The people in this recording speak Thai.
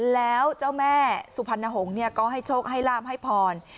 แล้วเจ้าแม่สุพรรณหงษ์ก็ให้โชคให้ลาบให้พร